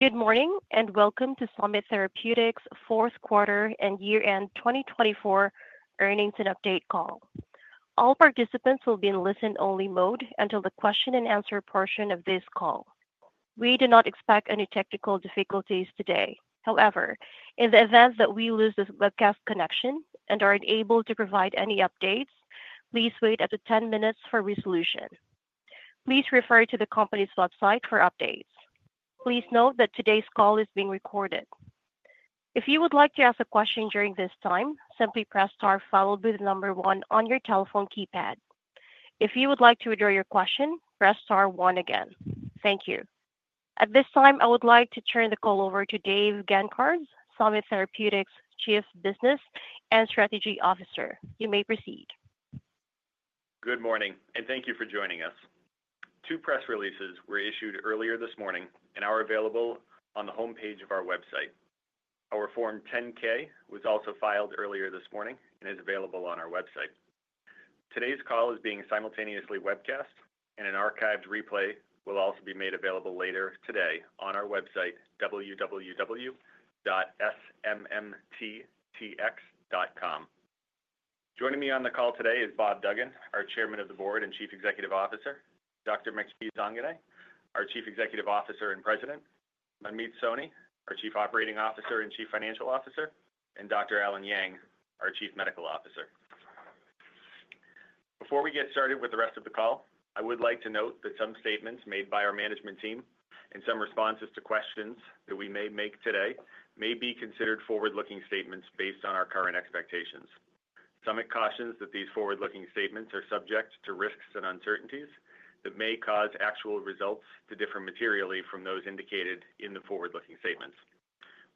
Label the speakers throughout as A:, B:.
A: Good morning and welcome to Summit Therapeutics' fourth quarter and year-end 2024 earnings and update call. All participants will be in listen-only mode until the question-and-answer portion of this call. We do not expect any technical difficulties today. However, in the event that we lose this webcast connection and are unable to provide any updates, please wait up to 10 minutes for resolution. Please refer to the company's website for updates. Please note that today's call is being recorded. If you would like to ask a question during this time, simply press star followed by the number one on your telephone keypad. If you would like to address your question, press star one again. Thank you. At this time, I would like to turn the call over to Dave Gancarz, Summit Therapeutics' Chief Business and Strategy Officer. You may proceed.
B: Good morning, and thank you for joining us. Two press releases were issued earlier this morning and are available on the homepage of our website. Our Form 10-K was also filed earlier this morning and is available on our website. Today's call is being simultaneously webcast, and an archived replay will also be made available later today on our website, www.smmttx.com. Joining me on the call today is Bob Duggan, our Chairman of the Board and Chief Executive Officer; Dr. Maky Zanganeh, our Chief Executive Officer and President; Manmeet Soni, our Chief Operating Officer and Chief Financial Officer; and Dr. Allen Yang, our Chief Medical Officer. Before we get started with the rest of the call, I would like to note that some statements made by our management team and some responses to questions that we may make today may be considered forward-looking statements based on our current expectations. Summit cautions that these forward-looking statements are subject to risks and uncertainties that may cause actual results to differ materially from those indicated in the forward-looking statements.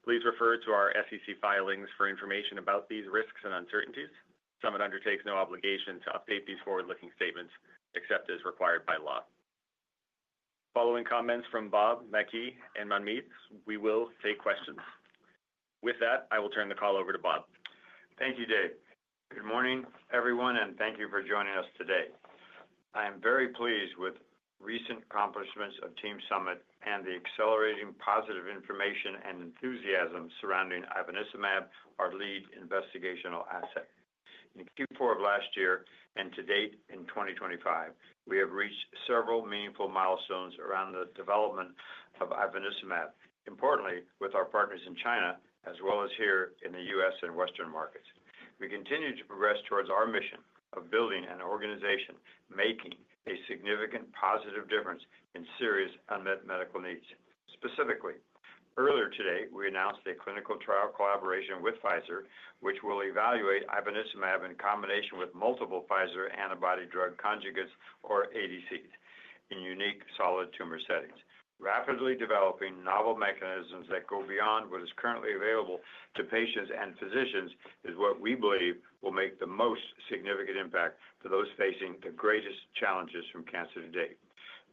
B: Please refer to our SEC filings for information about these risks and uncertainties. Summit undertakes no obligation to update these forward-looking statements except as required by law. Following comments from Bob, Maky, and Manmeet, we will take questions. With that, I will turn the call over to Bob.
C: Thank you, Dave. Good morning, everyone, and thank you for joining us today. I am very pleased with recent accomplishments of Team Summit and the accelerating positive information and enthusiasm surrounding ivonescimab, our lead investigational asset. In Q4 of last year and to date in 2025, we have reached several meaningful milestones around the development of Ivonescimab, importantly with our partners in China as well as here in the U.S. and Western markets. We continue to progress towards our mission of building an organization making a significant positive difference in serious unmet medical needs. Specifically, earlier today, we announced a clinical trial collaboration with Pfizer, which will evaluate ivonescimab in combination with multiple Pfizer antibody-drug conjugates, or ADCs, in unique solid tumor settings. Rapidly developing novel mechanisms that go beyond what is currently available to patients and physicians is what we believe will make the most significant impact for those facing the greatest challenges from cancer today.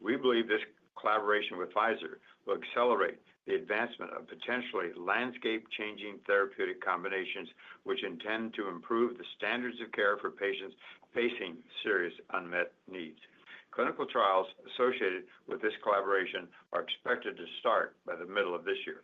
C: We believe this collaboration with Pfizer will accelerate the advancement of potentially landscape-changing therapeutic combinations, which intend to improve the standards of care for patients facing serious unmet needs. Clinical trials associated with this collaboration are expected to start by the middle of this year.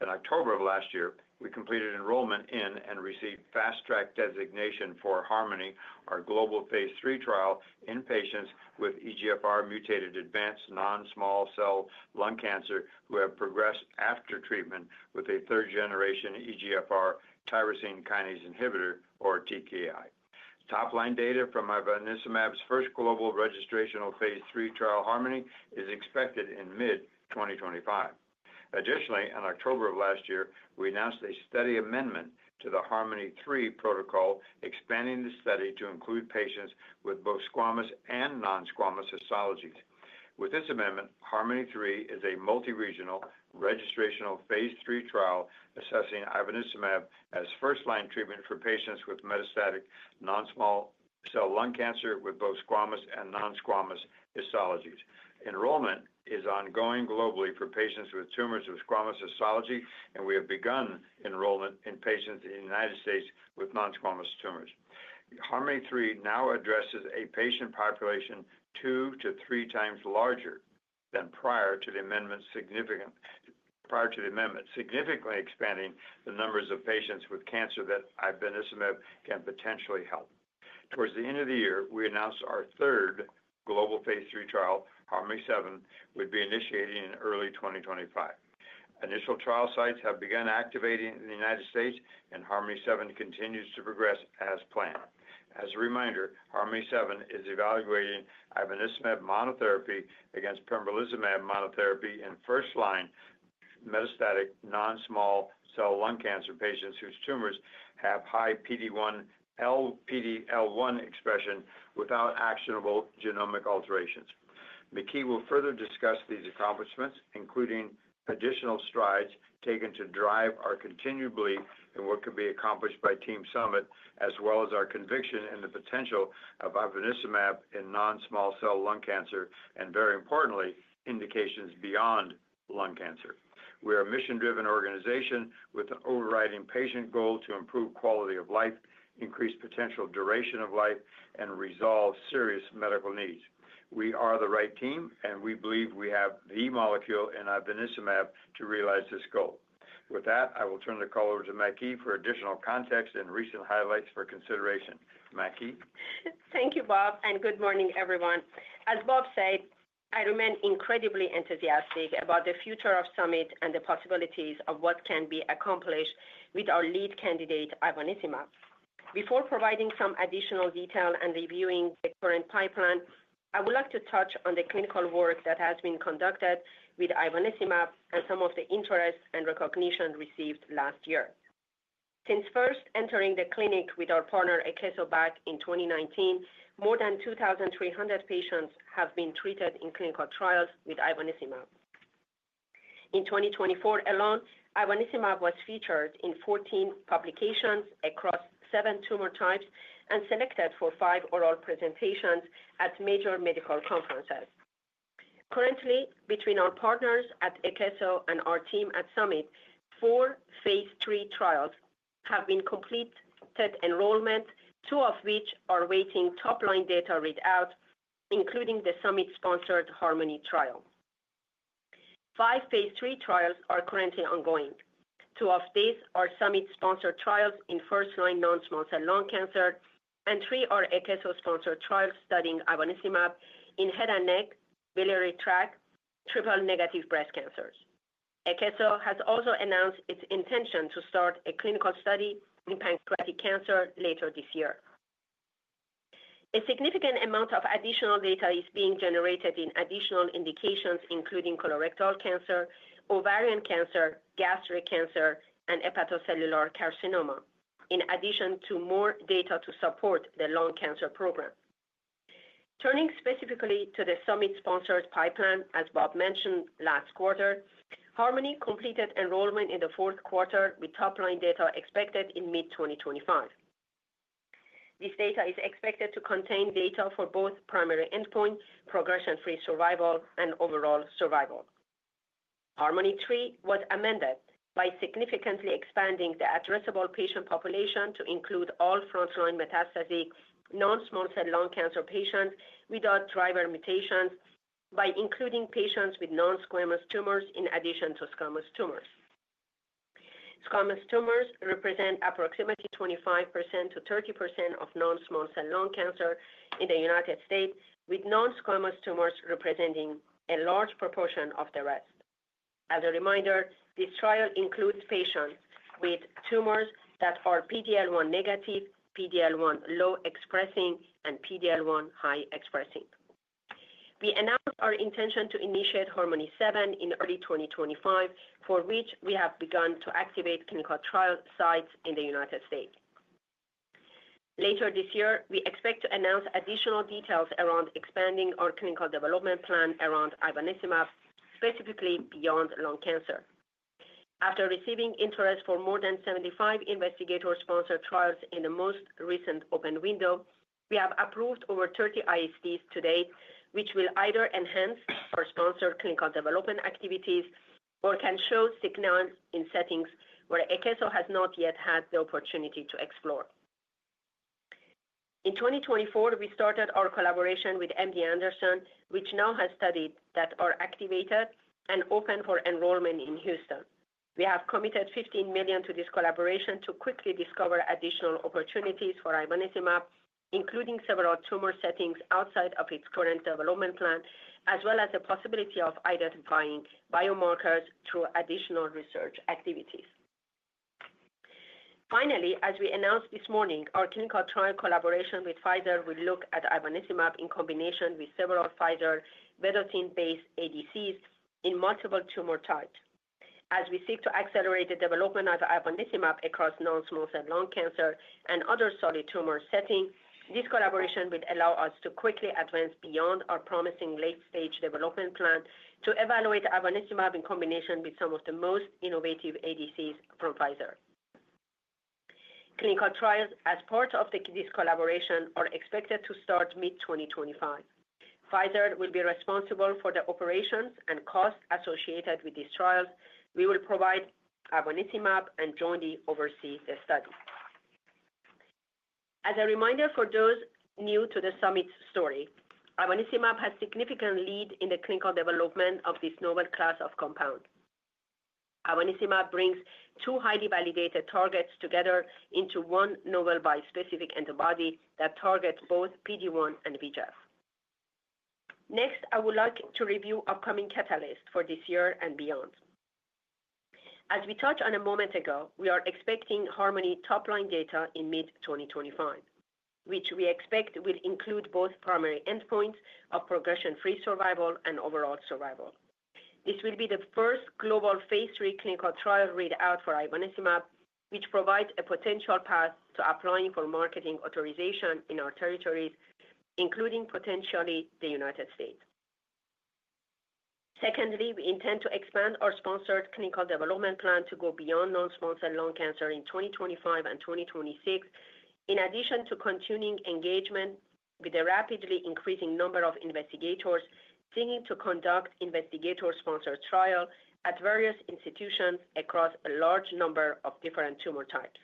C: In October of last year, we completed enrollment in and received Fast Track designation for Harmony, our global phase III trial in patients with EGFR-mutated advanced non-small cell lung cancer who have progressed after treatment with a third-generation EGFR tyrosine kinase inhibitor, or TKI. Top-line data from ivonescimab's first global registration of phase III trial Harmony is expected in mid-2025. Additionally, in October of last year, we announced a study amendment to the Harmony III protocol, expanding the study to include patients with both squamous and non-squamous histologies. With this amendment, Harmony III is a multi-regional registrational phase III trial assessing ivonescimab as first-line treatment for patients with metastatic non-small cell lung cancer with both squamous and non-squamous histologies. Enrollment is ongoing globally for patients with tumors of squamous histology, and we have begun enrollment in patients in the United States with non-squamous tumors. Harmony III now addresses a patient population two to three times larger than prior to the amendment, significantly expanding the numbers of patients with cancer that Ivonescimab can potentially help. Towards the end of the year, we announced our third global phase III trial, Harmony VII, would be initiated in early 2025. Initial trial sites have begun activating in the United States, and Harmony VII continues to progress as planned. As a reminder, Harmony VII is evaluating Ivonescimab monotherapy against pembrolizumab monotherapy in first-line metastatic non-small cell lung cancer patients whose tumors have high PD-L1 expression without actionable genomic alterations. Maky will further discuss these accomplishments, including additional strides taken to drive our continued belief in what could be accomplished by Team Summit, as well as our conviction in the potential of Ivonescimab in non-small cell lung cancer and, very importantly, indications beyond lung cancer. We are a mission-driven organization with an overriding patient goal to improve quality of life, increase potential duration of life, and resolve serious medical needs. We are the right team, and we believe we have the molecule in Ivonescimab to realize this goal. With that, I will turn the call over to Maky for additional context and recent highlights for consideration. Maky.
D: Thank you, Bob, and good morning, everyone. As Bob said, I remain incredibly enthusiastic about the future of Summit and the possibilities of what can be accomplished with our lead candidate, Ivonescimab. Before providing some additional detail and reviewing the current pipeline, I would like to touch on the clinical work that has been conducted with Ivonescimab and some of the interest and recognition received last year. Since first entering the clinic with our partner, Akeso, back in 2019, more than 2,300 patients have been treated in clinical trials with Ivonescimab. In 2024 alone, Ivonescimab was featured in 14 publications across seven tumor types and selected for five oral presentations at major medical conferences. Currently, between our partners at Akeso and our team at Summit, four Phase III trials have been completed enrollment, two of which are awaiting top-line data readout, including the Summit-sponsored Harmony trial. Five phase III trials are currently ongoing. Two of these are Summit-sponsored trials in first-line non-small cell lung cancer, and three are Akeso-sponsored trials studying ivonescimab in head and neck, biliary tract, and triple-negative breast cancers. Akeso has also announced its intention to start a clinical study in pancreatic cancer later this year. A significant amount of additional data is being generated in additional indications, including colorectal cancer, ovarian cancer, gastric cancer, and hepatocellular carcinoma, in addition to more data to support the lung cancer program. Turning specifically to the Summit-sponsored pipeline, as Bob mentioned last quarter, Harmony completed enrollment in the fourth quarter with top-line data expected in mid-2025. This data is expected to contain data for both primary endpoint, progression-free survival, and overall survival. Harmony III was amended by significantly expanding the addressable patient population to include all front-line metastatic non-small cell lung cancer patients without driver mutations by including patients with non-squamous tumors in addition to squamous tumors. Squamous tumors represent approximately 25%-30% of non-small cell lung cancer in the United States, with non-squamous tumors representing a large proportion of the rest. As a reminder, this trial includes patients with tumors that are PD-L1 negative, PD-L1 low expressing, and PD-L1 high expressing. We announced our intention to initiate Harmony VII in early 2025, for which we have begun to activate clinical trial sites in the United States. Later this year, we expect to announce additional details around expanding our clinical development plan around Ivonescimab, specifically beyond lung cancer. After receiving interest from more than 75 investigator-sponsored trials in the most recent open window, we have approved over 30 ISTs to date, which will either enhance our sponsored clinical development activities or can show signals in settings where Ivonescimab has not yet had the opportunity to explore. In 2024, we started our collaboration with MD Anderson, which now has studies that are activated and open for enrollment in Houston. We have committed $15 million to this collaboration to quickly discover additional opportunities for Ivonescimab, including several tumor settings outside of its current development plan, as well as the possibility of identifying biomarkers through additional research activities. Finally, as we announced this morning, our clinical trial collaboration with Pfizer will look at Ivonescimab in combination with several Pfizer Vedotin-based ADCs in multiple tumor types. As we seek to accelerate the development of Ivonescimab across non-small cell lung cancer and other solid tumor settings, this collaboration would allow us to quickly advance beyond our promising late-stage development plan to evaluate Ivonescimab in combination with some of the most innovative ADCs from Pfizer. Clinical trials as part of this collaboration are expected to start mid-2025. Pfizer will be responsible for the operations and costs associated with these trials. We will provide Ivonescimab and jointly oversee the study. As a reminder for those new to the Summit story, Ivonescimab has a significant lead in the clinical development of this novel class of compound. Ivonescimab brings two highly validated targets together into one novel bispecific antibody that targets both PD-1 and VEGF. Next, I would like to review upcoming catalysts for this year and beyond. As we touched on a moment ago, we are expecting Harmony top-line data in mid-2025, which we expect will include both primary endpoints of progression-free survival and overall survival. This will be the first global phase III clinical trial readout for Ivonescimab, which provides a potential path to applying for marketing authorization in our territories, including potentially the United States. Secondly, we intend to expand our sponsored clinical development plan to go beyond non-small cell lung cancer in 2025 and 2026, in addition to continuing engagement with a rapidly increasing number of investigators seeking to conduct investigator-sponsored trials at various institutions across a large number of different tumor types.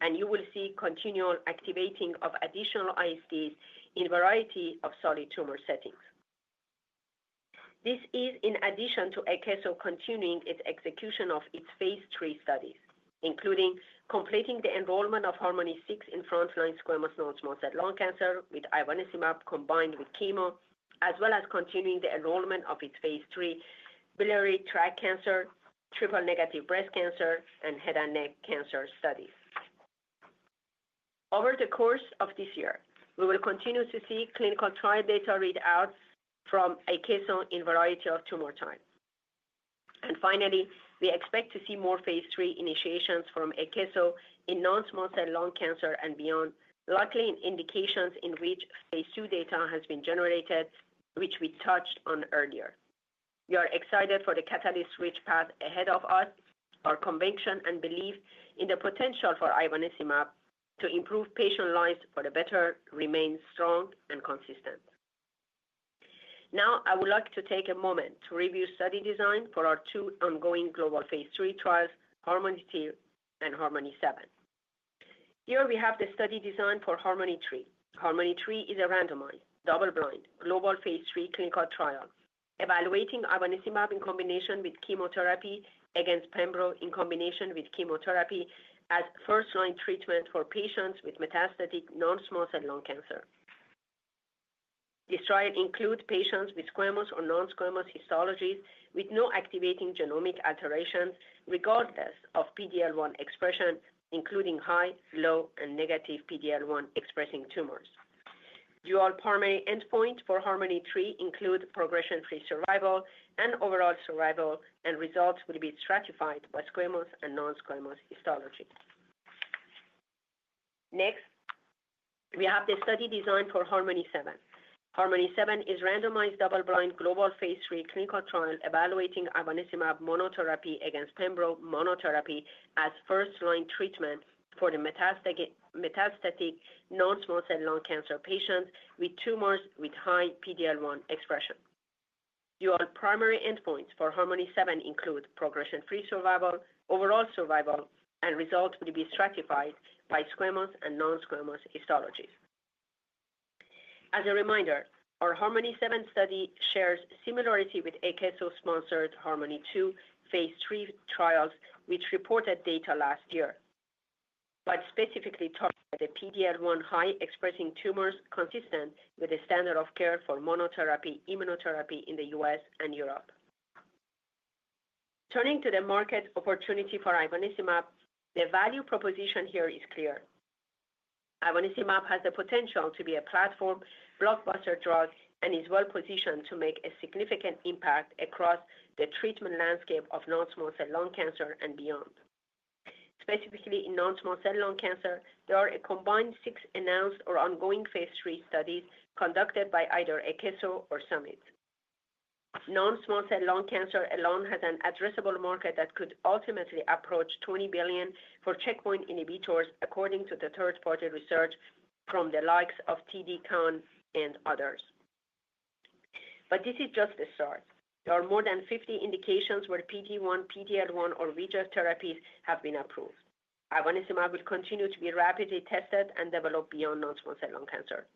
D: And you will see continual activation of additional ISTs in a variety of solid tumor settings. This is in addition to Akeso continuing its execution of its phase III studies, including completing the enrollment of Harmony VI in front-line squamous non-small cell lung cancer with Ivonescimab combined with chemo, as well as continuing the enrollment of its phase III biliary tract cancer, triple-negative breast cancer, and head and neck cancer studies. Over the course of this year, we will continue to see clinical trial data readouts from Akeso in a variety of tumor types. And finally, we expect to see more phase III initiations from Akeso in non-small cell lung cancer and beyond, likely in indications in which phase II data has been generated, which we touched on earlier. We are excited for the catalyst-rich path ahead of us, our conviction, and belief in the potential for Ivonescimab to improve patient lives for the better remain strong and consistent. Now, I would like to take a moment to review study design for our two ongoing global phase III trials, Harmony II and Harmony VII. Here we have the study design for Harmony III. Harmony III is a randomized, double-blind, global phase III clinical trial evaluating Ivonescimab in combination with chemotherapy against pembrolizumab in combination with chemotherapy as first-line treatment for patients with metastatic non-small cell lung cancer. This trial includes patients with squamous or non-squamous histologies with no activating genomic alterations regardless of PD-L1 expression, including high, low, and negative PD-L1 expressing tumors. Dual primary endpoints for Harmony III include progression-free survival and overall survival, and results will be stratified by squamous and non-squamous histology. Next, we have the study design for Harmony VII. Harmony VII is a randomized double-blind global phase III clinical trial evaluating Ivonescimab monotherapy against pembrolizumab monotherapy as first-line treatment for the metastatic non-small cell lung cancer patients with tumors with high PD-L1 expression. Dual primary endpoints for Harmony VII include progression-free survival, overall survival, and results will be stratified by squamous and non-squamous histologies. As a reminder, our Harmony VII study shares similarity with Akeso-sponsored Harmony II phase III trials, which reported data last year, but specifically targeted the PD-L1 high expressing tumors consistent with the standard of care for monotherapy immunotherapy in the U.S. and Europe. Turning to the market opportunity for Ivonescimab, the value proposition here is clear. Ivonescimab has the potential to be a platform blockbuster drug and is well-positioned to make a significant impact across the treatment landscape of non-small cell lung cancer and beyond. Specifically, in non-small cell lung cancer, there are a combined six announced or ongoing Phase III studies conducted by either Akeso or Summit. Non-small cell lung cancer alone has an addressable market that could ultimately approach $20 billion for checkpoint inhibitors, according to the third-party research from the likes of TD Cowen and others. But this is just the start. There are more than 50 indications where PD-1, PD-L1, or VEGF therapies have been approved. Ivonescimab will continue to be rapidly tested and developed beyond non-small cell lung cancer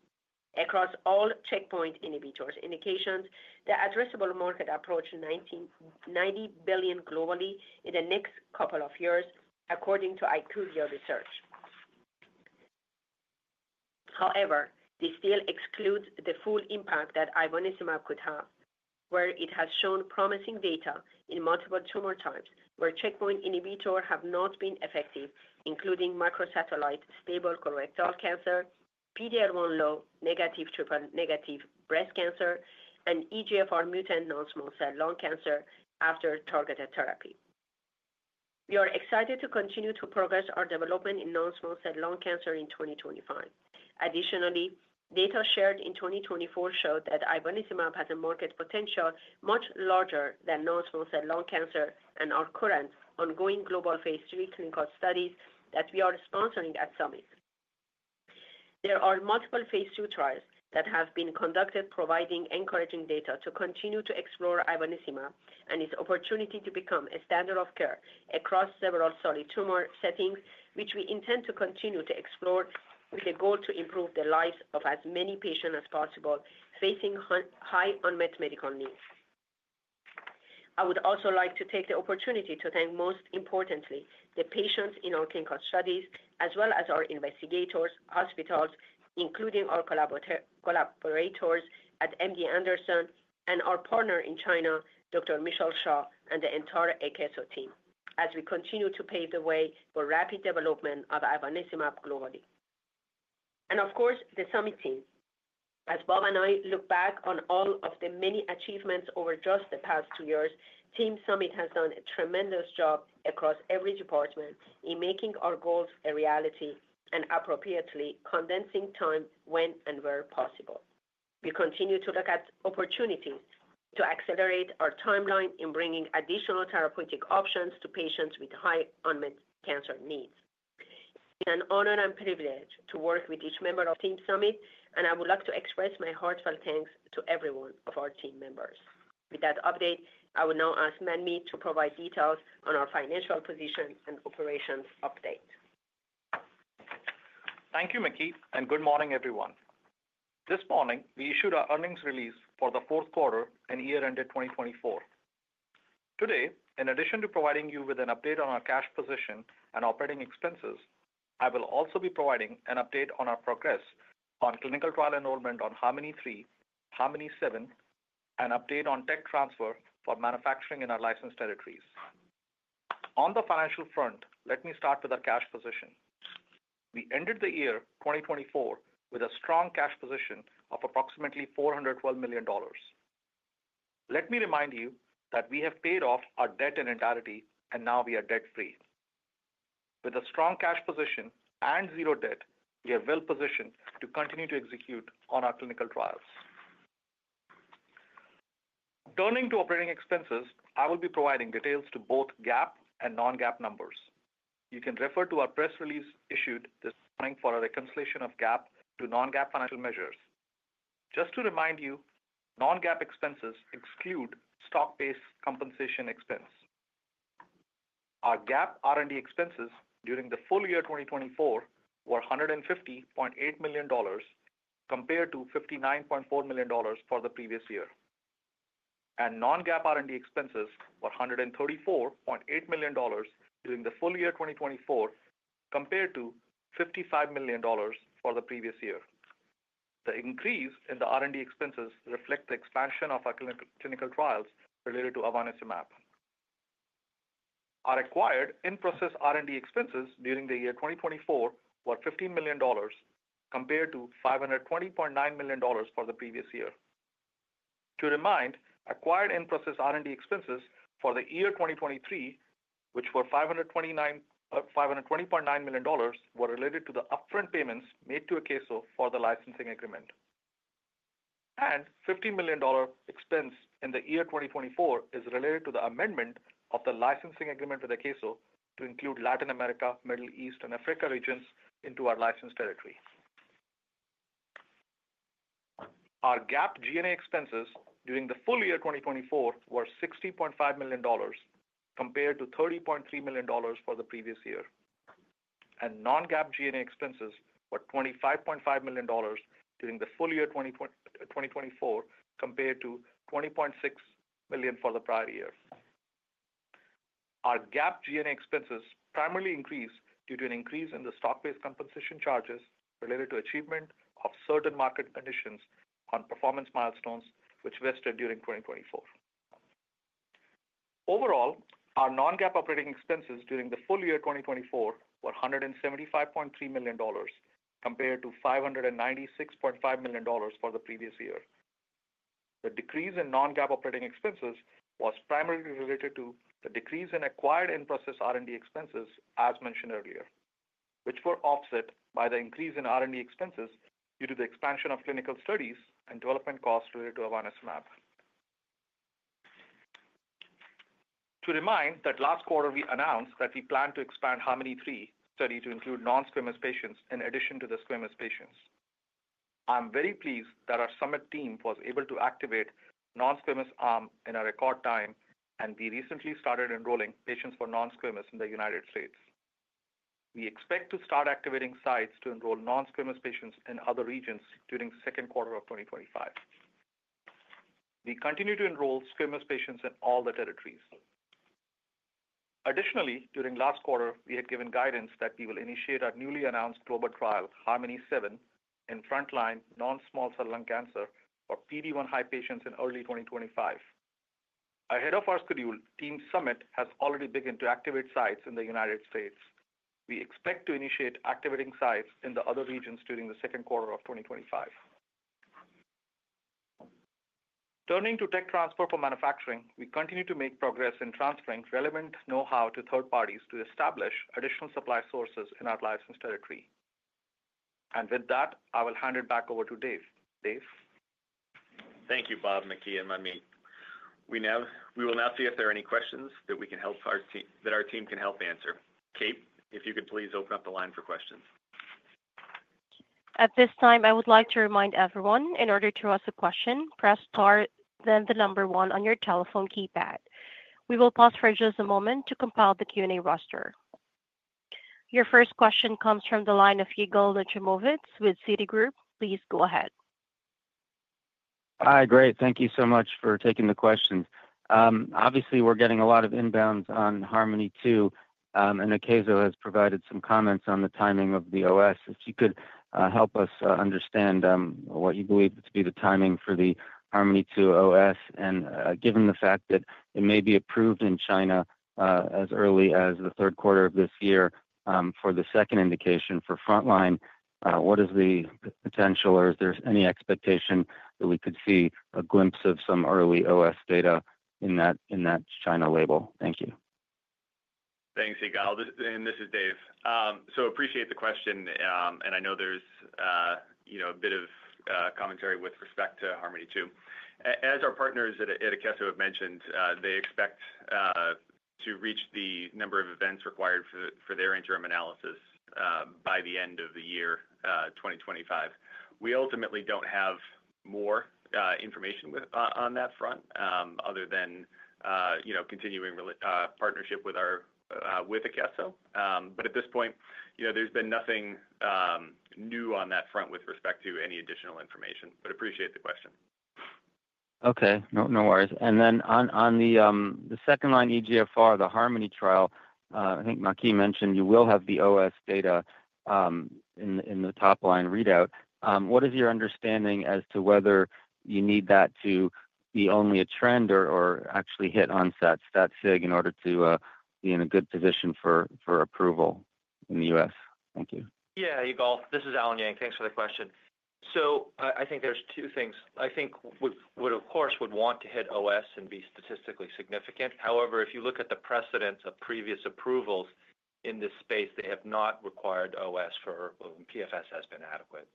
D: across all checkpoint inhibitors indications. The addressable market approaches $90 billion globally in the next couple of years, according to IQVIA Research. However, this still excludes the full impact that Ivonescimab could have, where it has shown promising data in multiple tumor types where checkpoint inhibitors have not been effective, including microsatellite stable colorectal cancer, PD-L1 low negative triple-negative breast cancer, and EGFR mutant non-small cell lung cancer after targeted therapy. We are excited to continue to progress our development in non-small cell lung cancer in 2025. Additionally, data shared in 2024 showed that Ivonescimab has a market potential much larger than non-small cell lung cancer and our current ongoing global phase III clinical studies that we are sponsoring at Summit. There are multiple phase II trials that have been conducted, providing encouraging data to continue to explore Ivonescimab and its opportunity to become a standard of care across several solid tumor settings, which we intend to continue to explore with the goal to improve the lives of as many patients as possible facing high unmet medical needs. I would also like to take the opportunity to thank, most importantly, the patients in our clinical studies, as well as our investigators, hospitals, including our collaborators at MD Anderson and our partner in China, Dr. Michelle Xia, and the entire Akeso team, as we continue to pave the way for rapid development of Ivonescimab globally. And of course, the Summit team. As Bob and I look back on all of the many achievements over just the past two years, Team Summit has done a tremendous job across every department in making our goals a reality and appropriately condensing time when and where possible. We continue to look at opportunities to accelerate our timeline in bringing additional therapeutic options to patients with high unmet cancer needs. It's an honor and privilege to work with each member of Team Summit, and I would like to express my heartfelt thanks to every one of our team members. With that update, I will now ask Manmeet to provide details on our financial position and operations update.
E: Thank you, Maky Zanganeh, and good morning, everyone. This morning, we issued our earnings release for the fourth quarter and year-ended 2024. Today, in addition to providing you with an update on our cash position and operating expenses, I will also be providing an update on our progress on clinical trial enrollment on Harmony III, Harmony VII, and an update on tech transfer for manufacturing in our licensed territories. On the financial front, let me start with our cash position. We ended the year 2024 with a strong cash position of approximately $412 million. Let me remind you that we have paid off our debt in entirety, and now we are debt-free. With a strong cash position and zero debt, we are well-positioned to continue to execute on our clinical trials. Turning to operating expenses, I will be providing details to both GAAP and non-GAAP measures. You can refer to our press release issued this morning for a reconciliation of GAAP to non-GAAP financial measures. Just to remind you, non-GAAP expenses exclude stock-based compensation expense. Our GAAP R&D expenses during the full year 2024 were $150.8 million, compared to $59.4 million for the previous year. And non-GAAP R&D expenses were $134.8 million during the full year 2024, compared to $55 million for the previous year. The increase in the R&D expenses reflects the expansion of our clinical trials related to ivonescimab. Our acquired in-process R&D expenses during the year 2024 were $15 million, compared to $520.9 million for the previous year. To remind, acquired in-process R&D expenses for the year 2023, which were $520.9 million, were related to the upfront payments made to Akeso for the licensing agreement. And $15 million expense in the year 2024 is related to the amendment of the licensing agreement with Akeso to include Latin America, Middle East, and Africa regions into our licensed territory. Our GAAP G&A expenses during the full year 2024 were $60.5 million, compared to $30.3 million for the previous year. Non-GAAP G&A expenses were $25.5 million during the full year 2024, compared to $20.6 million for the prior year. Our GAAP G&A expenses primarily increased due to an increase in the stock-based compensation charges related to achievement of certain market conditions on performance milestones which vested during 2024. Overall, our non-GAAP operating expenses during the full year 2024 were $175.3 million, compared to $596.5 million for the previous year. The decrease in non-GAAP operating expenses was primarily related to the decrease in acquired in-process R&D expenses, as mentioned earlier, which were offset by the increase in R&D expenses due to the expansion of clinical studies and development costs related to Ivonescimab. To remind that last quarter, we announced that we plan to expand Harmony III study to include non-squamous patients in addition to the squamous patients. I'm very pleased that our Summit team was able to activate non-squamous arm in a record time, and we recently started enrolling patients for non-squamous in the United States. We expect to start activating sites to enroll non-squamous patients in other regions during the second quarter of 2025. We continue to enroll squamous patients in all the territories. Additionally, during last quarter, we had given guidance that we will initiate our newly announced global trial, Harmony VII, in front-line non-small cell lung cancer for PD-1 high patients in early 2025. Ahead of our schedule, Team Summit has already begun to activate sites in the United States. We expect to initiate activating sites in the other regions during the second quarter of 2025. Turning to tech transfer for manufacturing, we continue to make progress in transferring relevant know-how to third parties to establish additional supply sources in our licensed territory, and with that, I will hand it back over to Dave. Dave.
B: Thank you, Bob, Maky and Manmeet. We will now see if there are any questions that our team can help answer. Kate, if you could please open up the line for questions.
A: At this time, I would like to remind everyone, in order to ask a question, press star, then the number one on your telephone keypad. We will pause for just a moment to compile the Q&A roster. Your first question comes from the line of Yigal Nochomovitz with Citi. Please go ahead.
F: Hi, great. Thank you so much for taking the question. Obviously, we're getting a lot of inbounds on Harmony II, and Akeso has provided some comments on the timing of the OS. If you could help us understand what you believe to be the timing for the Harmony II OS, and given the fact that it may be approved in China as early as the third quarter of this year for the second indication for front line, what is the potential, or is there any expectation that we could see a glimpse of some early OS data in that China label? Thank you.
B: Thanks, Yigal. And this is Dave. So appreciate the question, and I know there's a bit of commentary with respect to Harmony II. As our partners at Akeso have mentioned, they expect to reach the number of events required for their interim analysis by the end of the year 2025. We ultimately don't have more information on that front other than continuing partnership with Akeso. But at this point, there's been nothing new on that front with respect to any additional information. But appreciate the question.
F: Okay. No worries. And then on the second-line EGFR, the Harmony trial, I think Maky mentioned you will have the OS data in the top-line readout. What is your understanding as to whether you need that to be only a trend or actually hit on statistical significance in order to be in a good position for approval in the U.S.? Thank you.
G: Yeah, Yigal. This is Allen Yang. Thanks for the question. So I think there's two things. I think we would, of course, want to hit OS and be statistically significant. However, if you look at the precedents of previous approvals in this space, they have not required OS. PFS has been adequate.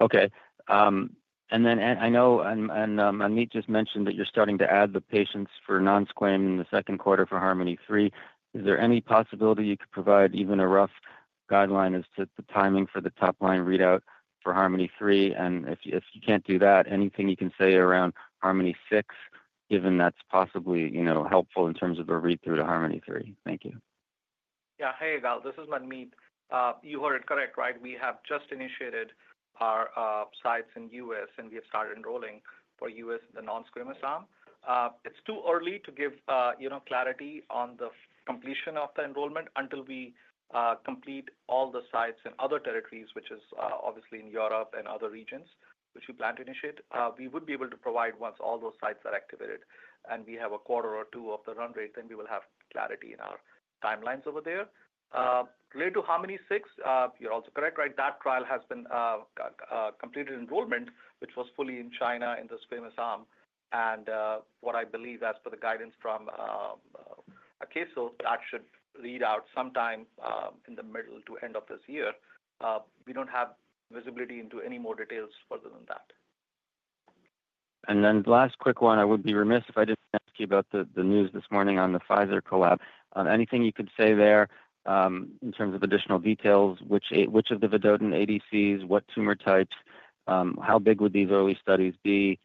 F: Okay. And then I know Manmeet just mentioned that you're starting to add the patients for non-squamous in the second quarter for Harmony III. Is there any possibility you could provide even a rough guideline as to the timing for the top-line readout for Harmony III? And if you can't do that, anything you can say around Harmony VI, given that's possibly helpful in terms of a read-through to Harmony III? Thank you.
E: Yeah. Hey, Yigal. This is Manmeet. You heard it correct, right? We have just initiated our sites in the U.S., and we have started enrolling for U.S., the non-squamous arm. It's too early to give clarity on the completion of the enrollment until we complete all the sites in other territories, which is obviously in Europe and other regions, which we plan to initiate. We would be able to provide once all those sites are activated, and we have a quarter or two of the run rate, then we will have clarity in our timelines over there. Related to Harmony VI, you're also correct, right? That trial has been completed enrollment, which was fully in China in the squamous arm. And what I believe, as per the guidance from Akeso, that should read out sometime in the middle to end of this year. We don't have visibility into any more details further than that.
F: And then the last quick one, I would be remiss if I didn't ask you about the news this morning on the Pfizer collab. Anything you could say there in terms of additional details? Which of the Vedotin ADCs, what tumor types, how big would these early studies be,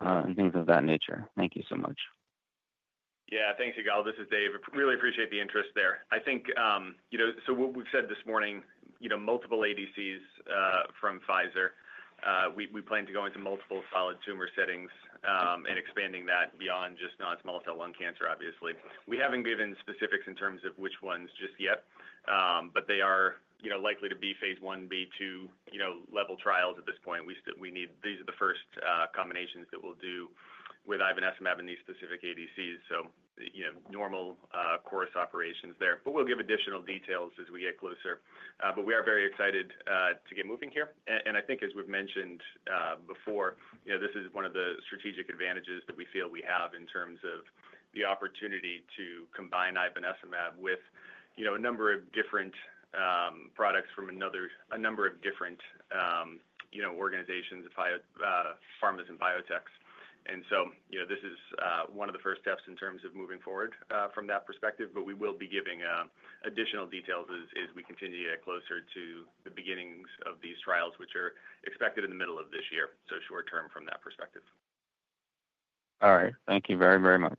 F: and things of that nature? Thank you so much.
B: Yeah. Thanks, Yigal. This is Dave. Really appreciate the interest there. I think so what we've said this morning, multiple ADCs from Pfizer. We plan to go into multiple solid tumor settings and expanding that beyond just non-small cell lung cancer, obviously. We haven't given specifics in terms of which ones just yet, but they are likely to be phase 1b/2 level trials at this point. These are the first combinations that we'll do with Ivonescimab in these specific ADCs. So normal course operations there. But we'll give additional details as we get closer. But we are very excited to get moving here. I think, as we've mentioned before, this is one of the strategic advantages that we feel we have in terms of the opportunity to combine ivonescimab with a number of different products from a number of different organizations, pharmaceuticals and biotechs. And so this is one of the first steps in terms of moving forward from that perspective. But we will be giving additional details as we continue to get closer to the beginnings of these trials, which are expected in the middle of this year. So short-term from that perspective.
F: All right. Thank you very, very much.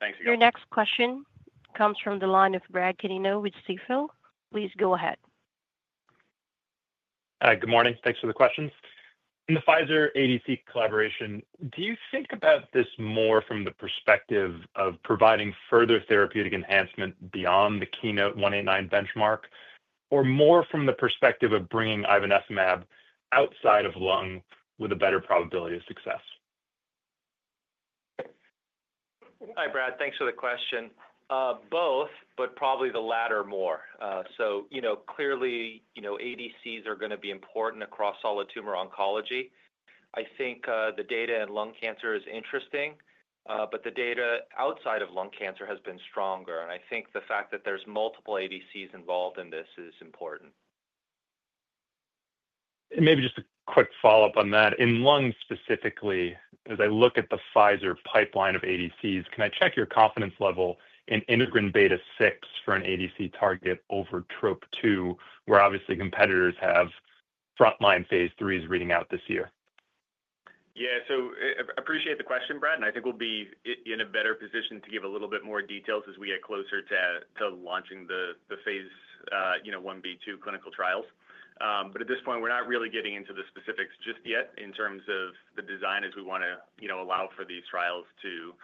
B: Thanks, Yigal.
A: Your next question comes from the line of Brad Canino with Stifel. Please go ahead.
H: Good morning. Thanks for the questions. In the Pfizer ADC collaboration, do you think about this more from the perspective of providing further therapeutic enhancement beyond the KEYNOTE-189 benchmark, or more from the perspective of bringing Ivonescimab outside of lung with a better probability of success? Hi, Brad. Thanks for the question. Both, but probably the latter more. So clearly, ADCs are going to be important across solid tumor oncology. I think the data in lung cancer is interesting, but the data outside of lung cancer has been stronger. And I think the fact that there's multiple ADCs involved in this is important. And maybe just a quick follow-up on that. In lung specifically, as I look at the Pfizer pipeline of ADCs, can I check your confidence level in integrin beta-6 for an ADC target over TROP2, where obviously competitors have front-line phase III is reading out this year? Yeah.
C: So I appreciate the question, Brad. And I think we'll be in a better position to give a little bit more details as we get closer to launching the phase 1b/2 clinical trials. But at this point, we're not really getting into the specifics just yet in terms of the design as we want to allow for these trials to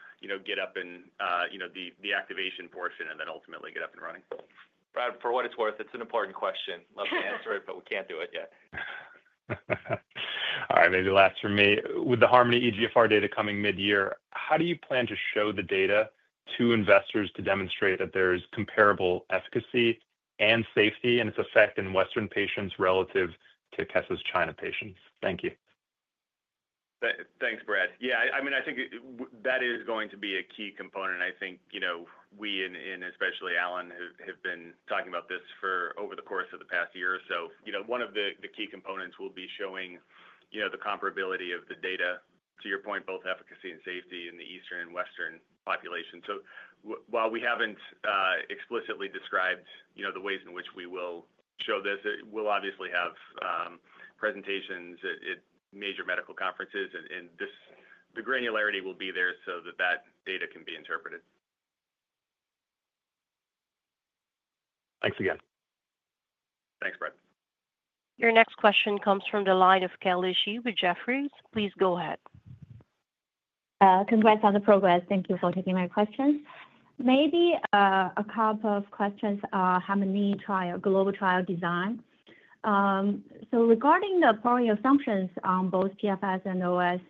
C: get up in the activation portion and then ultimately get up and running. Brad, for what it's worth, it's an important question. Love to answer it, but we can't do it yet.
H: All right. Maybe last for me. With the Harmony EGFR data coming mid-year, how do you plan to show the data to investors to demonstrate that there is comparable efficacy and safety and its effect in Western patients relative to Akeso's China patients? Thank you. Thanks, Brad. Yeah. I mean, I think that is going to be a key component. I think we, and especially Allen, have been talking about this for over the course of the past year or so. One of the key components will be showing the comparability of the data, to your point, both efficacy and safety in the Eastern and Western population. So while we haven't explicitly described the ways in which we will show this, we'll obviously have presentations at major medical conferences. And the granularity will be there so that that data can be interpreted. Thanks again. Thanks, Brad. Your next question comes from the line of Kelly Shi with Jefferies. Please go ahead.
I: Congrats on the progress. Thank you for taking my question. Maybe a couple of questions on Harmony trial, global trial design. Regarding the prior assumptions on both PFS and OS,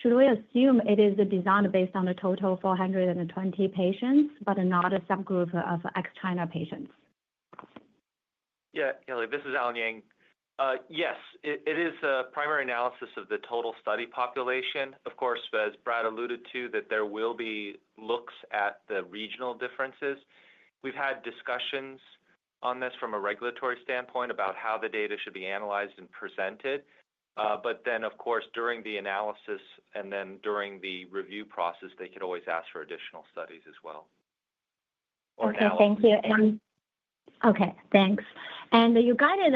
I: should we assume it is designed based on a total of 420 patients, but not a subgroup of ex-China patients?
G: Yeah. Kelly, this is Allen Yang. Yes. It is a primary analysis of the total study population. Of course, as Brad alluded to, that there will be looks at the regional differences. We have had discussions on this from a regulatory standpoint about how the data should be analyzed and presented. But then, of course, during the analysis and then during the review process, they could always ask for additional studies as well. Okay.
I: Thank you. Okay. Thanks. And you guided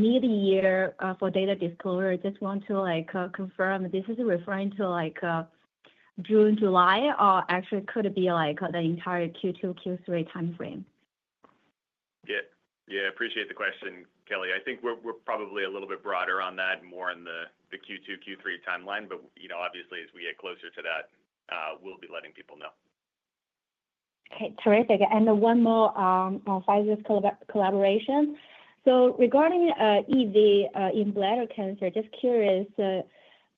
I: me the year for data disclosure. I just want to confirm this is referring to June, July, or actually could it be the entire Q2, Q3 timeframe?
C: Yeah. Yeah. I appreciate the question, Kelly. I think we're probably a little bit broader on that, more in the Q2, Q3 timeline. But obviously, as we get closer to that, we'll be letting people know.
I: Okay. Terrific. And one more on Pfizer's collaboration. So regarding EV in bladder cancer, just curious, is there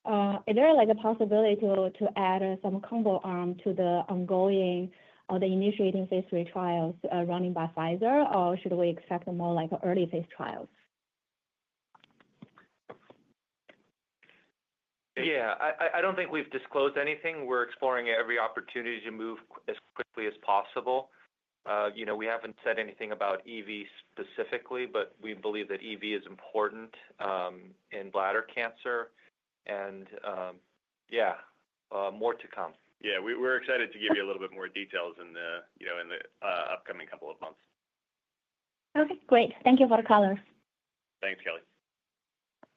I: a possibility to add some combo arm to the ongoing or the initiating phase three trials running by Pfizer, or should we expect more early phase trials?
G: Yeah. I don't think we've disclosed anything. We're exploring every opportunity to move as quickly as possible. We haven't said anything about EV specifically, but we believe that EV is important in bladder cancer. And yeah, more to come. Yeah.
C: We're excited to give you a little bit more details in the upcoming couple of months.
I: Okay. Great. Thank you for the callers. Thanks, Kelly.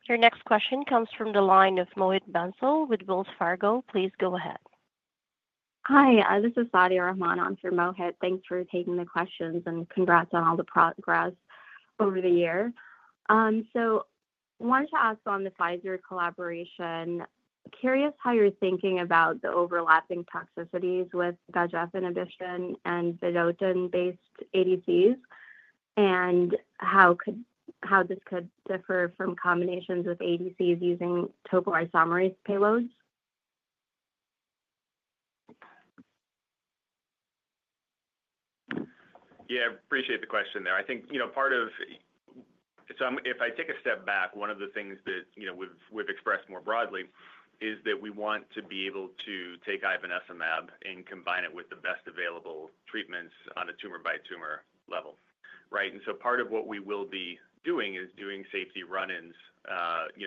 A: Your next question comes from the line of Mohit Bansal with Wells Fargo. Please go ahead.
J: Hi. This is Saadia Rahman on for Mohit. Thanks for taking the questions and congrats on all the progress over the year. So I wanted to ask on the Pfizer collaboration, curious how you're thinking about the overlapping toxicities with VEGF inhibition and Vedotin-based ADCs and how this could differ from combinations with ADCs using topoisomerase payloads.
C: Yeah. I appreciate the question there. I think part of so if I take a step back, one of the things that we've expressed more broadly is that we want to be able to take ivonescimab and combine it with the best available treatments on a tumor-by-tumor level, right? And so part of what we will be doing is doing safety run-ins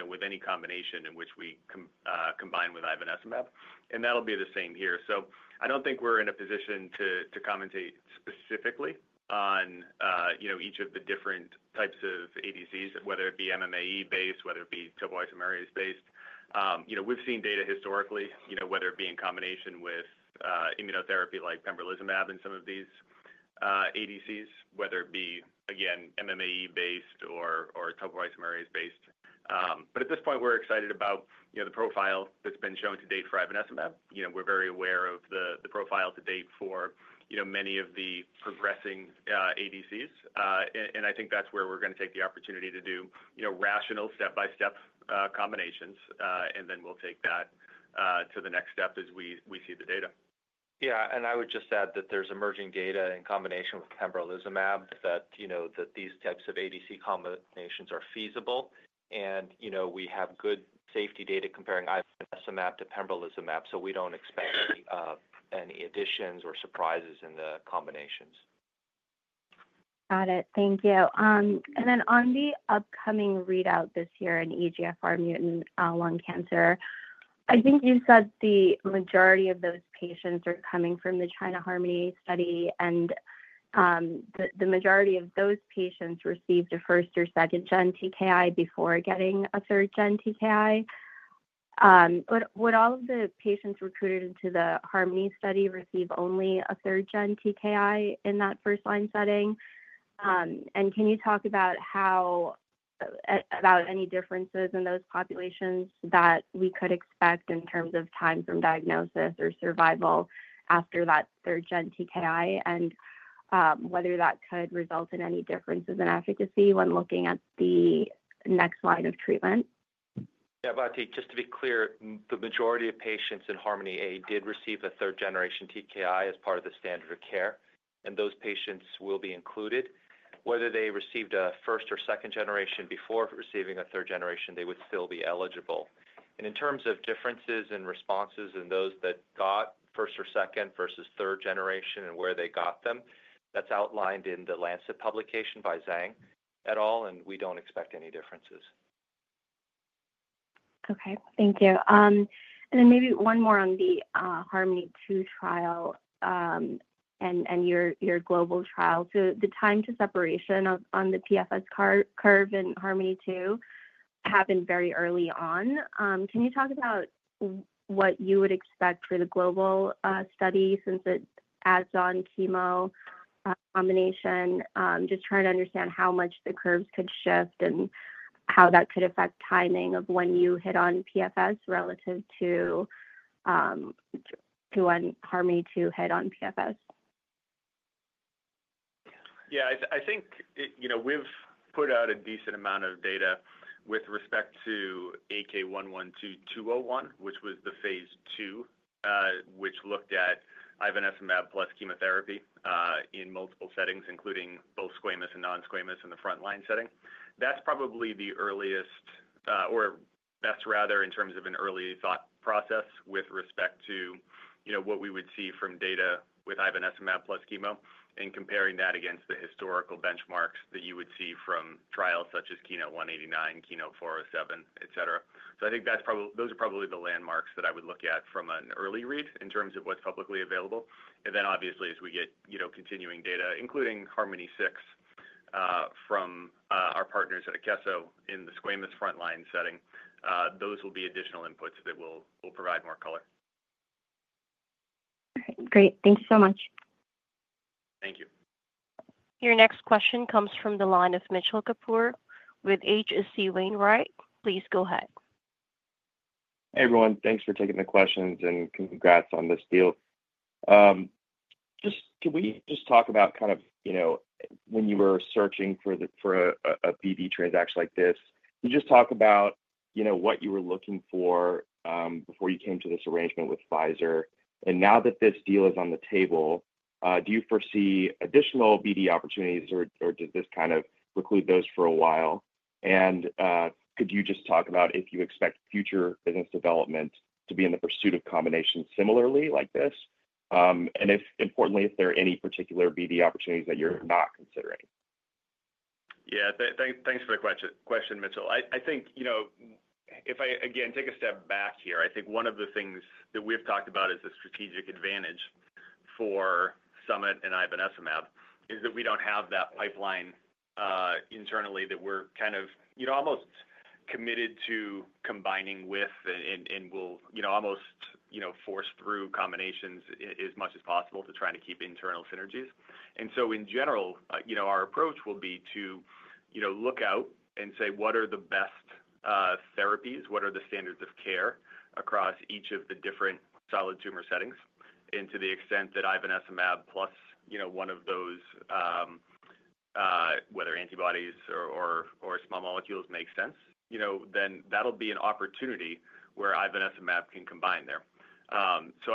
C: with any combination in which we combine with Ivonescimab. And that'll be the same here. I don't think we're in a position to comment specifically on each of the different types of ADCs, whether it be MMAE-based, whether it be topoisomerase-based. We've seen data historically, whether it be in combination with immunotherapy like pembrolizumab in some of these ADCs, whether it be, again, MMAE-based or topoisomerase-based. But at this point, we're excited about the profile that's been shown to date for ivonescimab. We're very aware of the profile to date for many of the progressing ADCs. And I think that's where we're going to take the opportunity to do rational step-by-step combinations. And then we'll take that to the next step as we see the data.
B: Yeah. And I would just add that there's emerging data in combination with pembrolizumab that these types of ADC combinations are feasible. We have good safety data comparing Ivonescimab to pembrolizumab, so we don't expect any additions or surprises in the combinations.
J: Got it. Thank you. And then on the upcoming readout this year in EGFR mutant lung cancer, I think you said the majority of those patients are coming from the China Harmony study. And the majority of those patients received a first or second-gen TKI before getting a third-gen TKI. Would all of the patients recruited into the Harmony study receive only a third-gen TKI in that first-line setting? And can you talk about any differences in those populations that we could expect in terms of time from diagnosis or survival after that third-gen TKI and whether that could result in any differences in efficacy when looking at the next line of treatment?
B: Yeah. But just to be clear, the majority of patients in Harmony did receive a third-generation TKI as part of the standard of care. And those patients will be included. Whether they received a first or second generation before receiving a third generation, they would still be eligible. And in terms of differences in responses in those that got first or second versus third generation and where they got them, that's outlined in the Lancet publication by Zhang et al., and we don't expect any differences.
J: Okay. Thank you. And then maybe one more on the Harmony II trial and your global trial. So the time to separation on the PFS curve in Harmony II happened very early on. Can you talk about what you would expect for the global study since it adds on chemo combination? Just trying to understand how much the curves could shift and how that could affect timing of when you hit on PFS relative to when Harmony II hit on PFS.
B: Yeah. I think we've put out a decent amount of data with respect to AK112-201, which was the phase two, which looked at ivonescimab plus chemotherapy in multiple settings, including both squamous and non-squamous in the front-line setting. That's probably the earliest, or best rather in terms of an early thought process with respect to what we would see from data with Ivonescimab plus chemo and comparing that against the historical benchmarks that you would see from trials such as KEYNOTE-189, KEYNOTE-407, etc. So I think those are probably the landmarks that I would look at from an early read in terms of what's publicly available. And then obviously, as we get continuing data, including Harmony VI from our partners at Akeso in the squamous front-line setting, those will be additional inputs that will provide more color.
J: All right. Great. Thank you so much.
B: Thank you.
A: Your next question comes from the line of Mitchell Kapoor with H.C. Wainwright. Please go ahead.
K: Hey, everyone. Thanks for taking the questions and congrats on this deal. Can we just talk about kind of when you were searching for a BD transaction like this, you just talked about what you were looking for before you came to this arrangement with Pfizer. And now that this deal is on the table, do you foresee additional BD opportunities, or does this kind of preclude those for a while? And could you just talk about if you expect future business development to be i n the pursuit of combinations similarly like this?
C: Importantly, if there are any particular BD opportunities that you're not considering. Yeah. Thanks for the question, Mitchell. I think if I, again, take a step back here, I think one of the things that we've talked about as the strategic advantage for Summit and ivonescimab is that we don't have that pipeline internally that we're kind of almost committed to combining with and will almost force through combinations as much as possible to try to keep internal synergies. In general, our approach will be to look out and say, "What are the best therapies? What are the standards of care across each of the different solid tumor settings?" To the extent that Ivonescimab plus one of those, whether antibodies or small molecules, makes sense, then that'll be an opportunity where Ivonescimab can combine there. So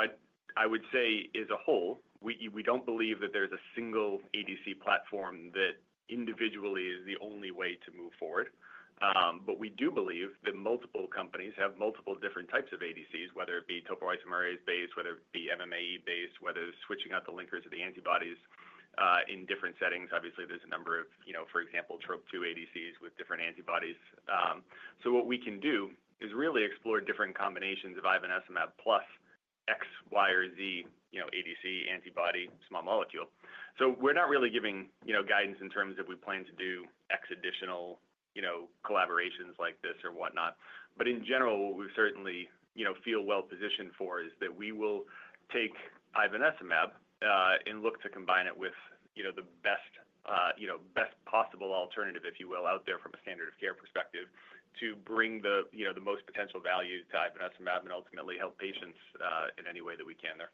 C: I would say, as a whole, we don't believe that there's a single ADC platform that individually is the only way to move forward. But we do believe that multiple companies have multiple different types of ADCs, whether it be topoisomerase-based, whether it be MMAE-based, whether it's switching out the linkers of the antibodies in different settings. Obviously, there's a number of, for example, TROP2 ADCs with different antibodies. So what we can do is really explore different combinations of Ivonescimab plus X, Y, or Z ADC, antibody, small molecule. So we're not really giving guidance in terms of we plan to do X additional collaborations like this or whatnot. In general, what we certainly feel well-positioned for is that we will take Ivonescimab and look to combine it with the best possible alternative, if you will, out there from a standard of care perspective to bring the most potential value to Ivonescimab and ultimately help patients in any way that we can there.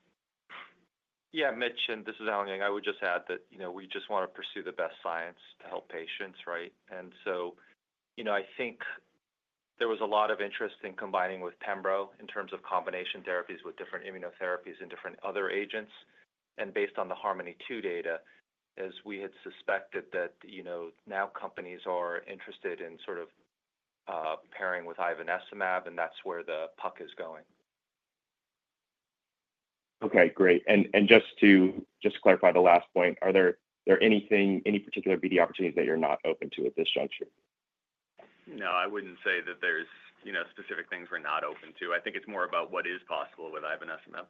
G: Yeah. Mitch, this is Allen Yang. I would just add that we just want to pursue the best science to help patients, right? And so I think there was a lot of interest in combining with Pembro in terms of combination therapies with different immunotherapies and different other agents. And based on the Harmony II data, as we had suspected that now companies are interested in sort of pairing with Ivonescimab, and that's where the puck is going.
K: Okay. Great. And just to clarify the last point, are there any particular BD opportunities that you're not open to at this juncture?
C: No, I wouldn't say that there's specific things we're not open to. I think it's more about what is possible with Ivonescimab.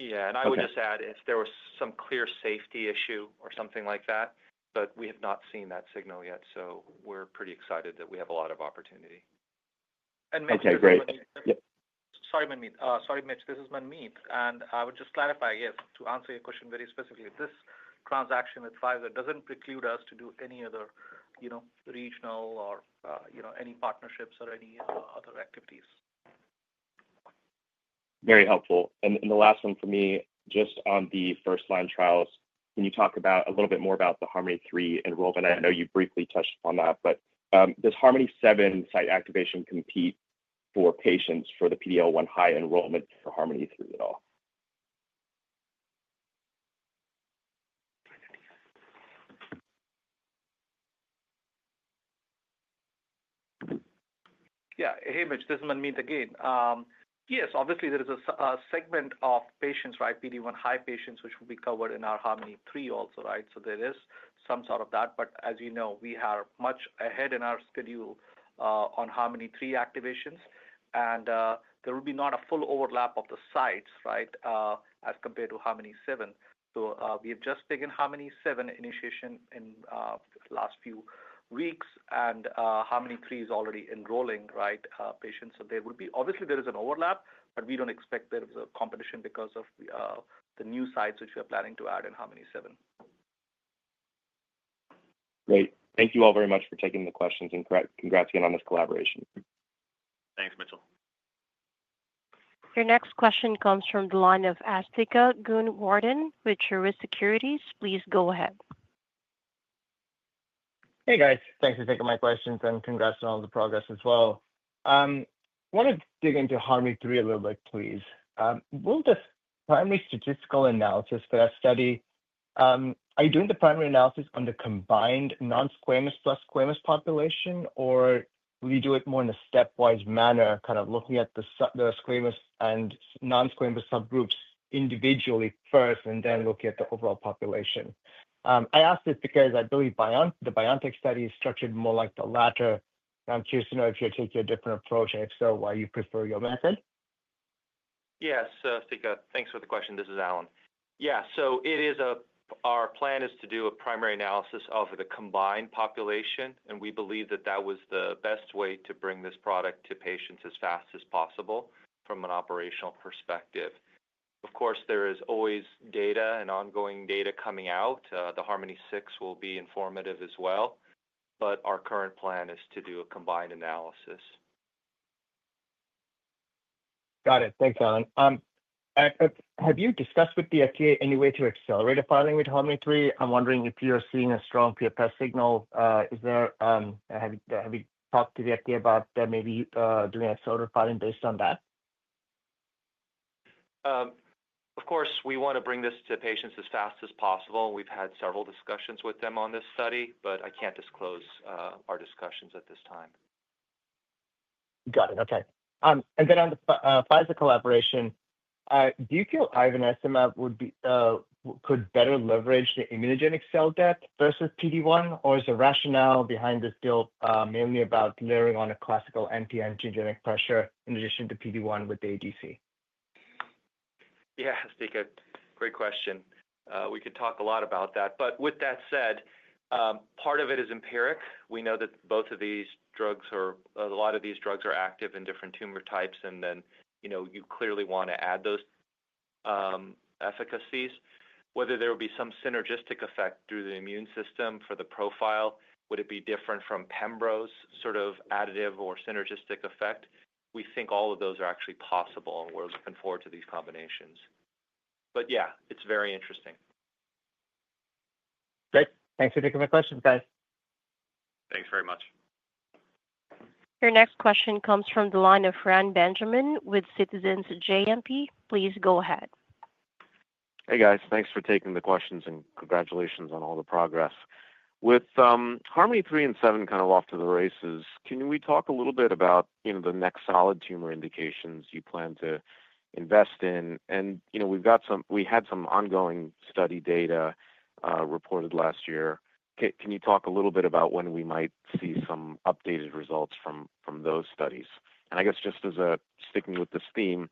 G: Yeah. And I would just add if there was some clear safety issue or something like that. But we have not seen that signal yet. So we're pretty excited that we have a lot of opportunity.
E: And Mitch is Manmeet. Okay. Great. Sorry, Manmeet. Sorry, Mitch. This is Manmeet. And I would just clarify, yes, to answer your question very specifically, this transaction with Pfizer doesn't preclude us to do any other regional or any partnerships or any other activities.
K: Very helpful. And the last one for me, just on the first-line trials, can you talk a little bit more about the Harmony IIi enrollment? I know you briefly touched upon that, but does Harmony 7 site activation compete for patients for the PD-L1 high enrollment for Harmony III at all?
E: Yeah. Hey, Mitch. This is Manmeet again. Yes. Obviously, there is a segment of patients, right, PD-1 high patients, which will be covered in our Harmony III also, right? So there is some sort of that. But as you know, we are much ahead in our schedule on Harmony III activations. And there will be not a full overlap of the sites, right, as compared to Harmony 7. So we have just taken Harmony 7 initiation in the last few weeks, and Harmony III is already enrolling, right, patients. So there will be obviously, there is an overlap, but we don't expect there is a competition because of the new sites which we are planning to add in Harmony 7.
K: Great. Thank you all very much for taking the questions and congrats again on this collaboration.
E: Thanks, Mitchell.
A: Your next question comes from the line of Asthika Goonewardene with Truist Securities. Please go ahead.
L: Hey, guys. Thanks for taking my questions and congrats on all the progress as well. I want to dig into Harmony III a little bit, please. Will the primary statistical analysis for that study are you doing the primary analysis on the combined non-squamous plus squamous population, or will you do it more in a stepwise manner, kind of looking at the squamous and non-squamous subgroups individually first and then looking at the overall population? I ask this because I believe the BioNTech study is structured more like the latter. I'm curious to know if you're taking a different approach and if so, why you prefer your method.
G: Yes. Thanks for the question. This is Allen. Yeah. So our plan is to do a primary analysis of the combined population, and we believe that that was the best way to bring this product to patients as fast as possible from an operational perspective. Of course, there is always data and ongoing data coming out. The Harmony VI will be informative as well. But our current plan is to do a combined analysis.
L: Got it. Thanks, Allen. Have you discussed with the FDA any way to accelerate a filing with Harmony III? I'm wondering if you're seeing a strong PFS signal. Have you talked to the FDA about maybe doing accelerated filing based on that?
G: Of course, we want to bring this to patients as fast as possible. We've had several discussions with them on this study, but I can't disclose our discussions at this time.
L: Got it. Okay. And then on the Pfizer collaboration, do you feel ivonescimab could better leverage the immunogenic cell death versus PD-1, or is the rationale behind this deal mainly about layering on a classical anti-angiogenic pressure in addition to PD-1 with the ADC?
G: Yeah. That's a great question. We could talk a lot about that. But with that said, part of it is empiric. We know that both of these drugs, a lot of these drugs, are active in different tumor types, and then you clearly want to add those efficacies. Whether there would be some synergistic effect through the immune system for the profile, would it be different from Pembro's sort of additive or synergistic effect? We think all of those are actually possible, and we're looking forward to these combinations. But yeah, it's very interesting.
L: Great. Thanks for taking my questions, guys.
G: Thanks very much.
A: Your next question comes from the line of Reni Benjamin with Citizens JMP. Please go ahead.
M: Hey, guys. Thanks for taking the questions, and congratulations on all the progress. With Harmony III and 7 kind of off to the races, can we talk a little bit about the next solid tumor indications you plan to invest in? And we had some ongoing study data reported last year. Can you talk a little bit about when we might see some updated results from those studies? And I guess just as a sticking with this theme,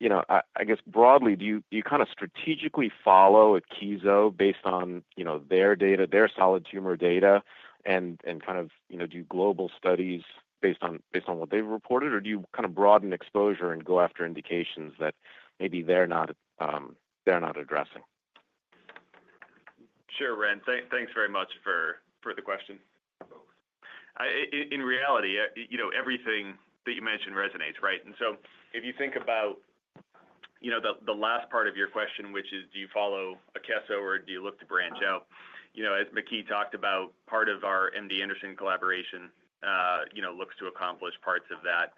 M: I guess broadly, do you kind of strategically follow Akeso based on their data, their solid tumor data, and kind of do global studies based on what they've reported, or do you kind of broaden exposure and go after indications that maybe they're not addressing?
C: Sure, Fran. Thanks very much for the question. In reality, everything that you mentioned resonates, right? And so if you think about the last part of your question, which is, do you follow Akeso or do you look to branch out? As Maky talked about, part of our MD Anderson collaboration looks to accomplish parts of that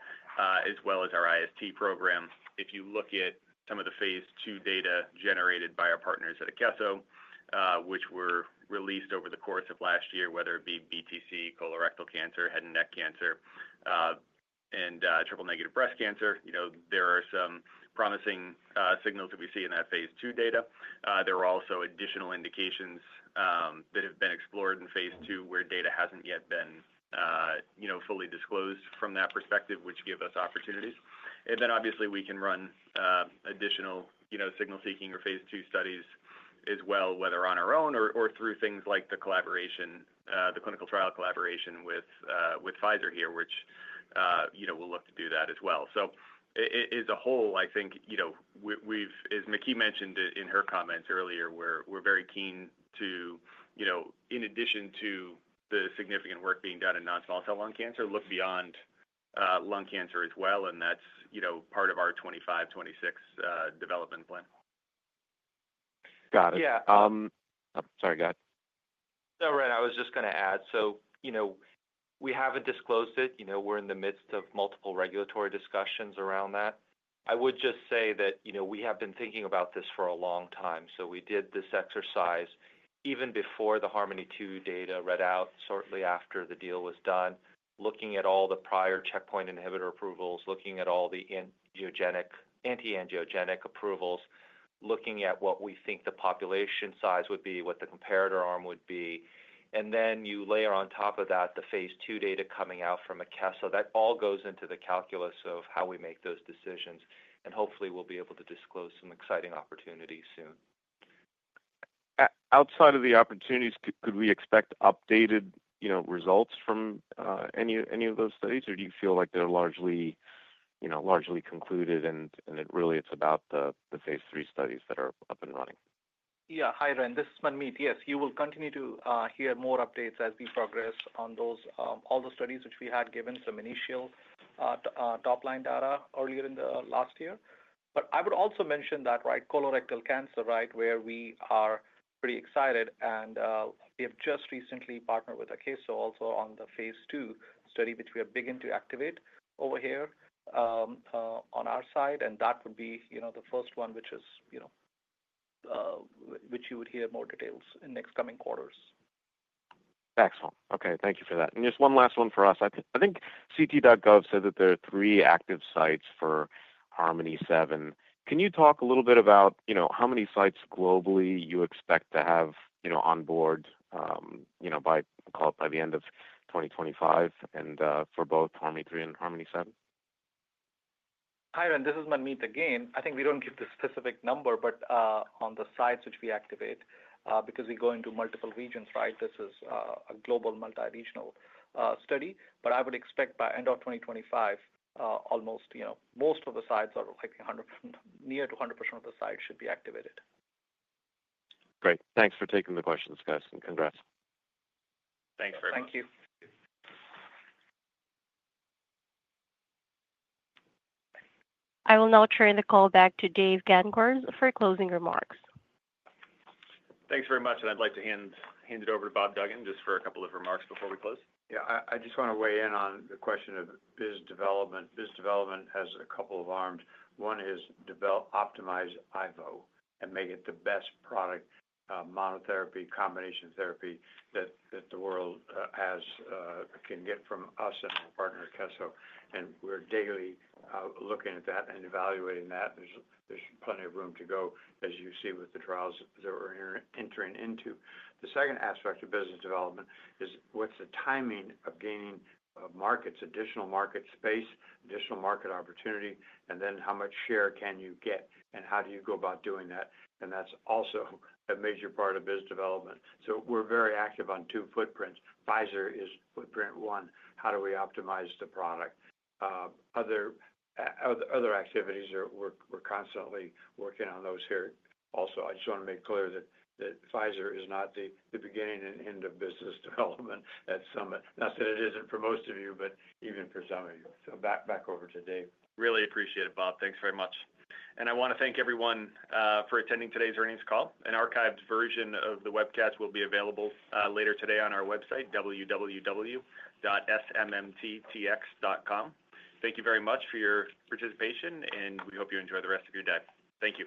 C: as well as our IST program. If you look at some of the phase two data generated by our partners at Akeso, which were released over the course of last year, whether it be BTC, colorectal cancer, head and neck cancer, and triple-negative breast cancer, there are some promising signals that we see in that phase two data. There are also additional indications that have been explored in phase two where data hasn't yet been fully disclosed from that perspective, which give us opportunities. Then obviously, we can run additional signal-seeking or phase two studies as well, whether on our own or through things like the clinical trial collaboration with Pfizer here, which we'll look to do that as well. So as a whole, I think, as Maky mentioned in her comments earlier, we're very keen to, in addition to the significant work being done in non-small cell lung cancer, look beyond lung cancer as well. And that's part of our 2025, 2026 development plan.
M: Got it.
G: Yeah. Sorry, go ahead. No, Fran, I was just going to add. So we haven't disclosed it. We're in the midst of multiple regulatory discussions around that. I would just say that we have been thinking about this for a long time. So we did this exercise even before the Harmony II data read out, shortly after the deal was done, looking at all the prior checkpoint inhibitor approvals, looking at all the anti-angiogenic approvals, looking at what we think the population size would be, what the comparator arm would be. And then you layer on top of that the phase two data coming out from Akeso. That all goes into the calculus of how we make those decisions. And hopefully, we'll be able to disclose some exciting opportunities soon.
M: Outside of the opportunities, could we expect updated results from any of those studies, or do you feel like they're largely concluded and really it's about the phase three studies that are up and running?
E: Yeah. Hi, Ran. This is Manmeet. Yes, you will continue to hear more updates as we progress on all the studies which we had given some initial top-line data earlier in the last year. But I would also mention that, right, colorectal cancer, right, where we are pretty excited. And we have just recently partnered with Akeso also on the phase two study which we are beginning to activate over here on our side. And that would be the first one which you would hear more details in the next coming quarters.
M: Excellent. Okay. Thank you for that. And just one last one for us. I think ct.gov said that there are three active sites for Harmony 7. Can you talk a little bit about how many sites globally you expect to have on board by the end of 2025 for both Harmony III and Harmony 7?
E: Hi, Ran. This is Manmeet again. I think we don't give the specific number, but on the sites which we activate, because we go into multiple regions, right, this is a global multi-regional study, but I would expect by end of 2025, almost most of the sites or near to 100% of the sites should be activated.
M: Great. Thanks for taking the questions, guys, and congrats.
E: Thanks very much.
B: Thank you.
A: I will now turn the call back to Dave Gancarz for closing remarks.
B: Thanks very much, and I'd like to hand it over to Bob Duggan just for a couple of remarks before we close.
C: Yeah. I just want to weigh in on the question of business development. Business development has a couple of arms. One is to optimize IVO and make it the best product monotherapy combination therapy that the world can get from us and our partner, Akeso. We're daily looking at that and evaluating that. There's plenty of room to go, as you see with the trials that we're entering into. The second aspect of business development is what's the timing of gaining markets, additional market space, additional market opportunity, and then how much share can you get, and how do you go about doing that? That's also a major part of business development. We're very active on two footprints. Pfizer is footprint one. How do we optimize the product? Other activities, we're constantly working on those here also. I just want to make clear that Pfizer is not the beginning and end of business development at Summit. Not that it isn't for most of you, but even for some of you. Back over to Dave.
B: Really appreciate it, Bob. Thanks very much. I want to thank everyone for attending today's earnings call. An archived version of the webcast will be available later today on our website, www.smmttx.com. Thank you very much for your participation, and we hope you enjoy the rest of your day. Thank you.